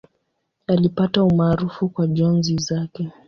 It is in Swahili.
Alipata umaarufu kwa njozi zake.